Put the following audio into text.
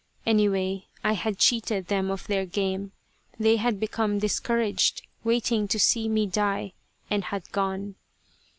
Anyway I had cheated them of their game. They had become discouraged, waiting to see me die, and had gone.